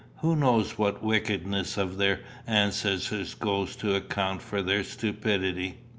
Who knows what wickedness of their ancestors goes to account for their stupidity?